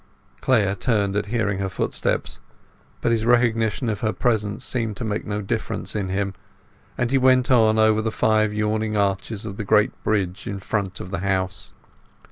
Clare turned at hearing her footsteps, but his recognition of her presence seemed to make no difference to him, and he went on over the five yawning arches of the great bridge in front of the house.